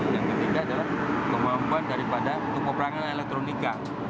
yang ketiga adalah kemampuan daripada untuk perang elektronika